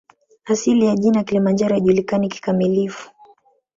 Asili ya jina "Kilimanjaro" haijulikani kikamilifu.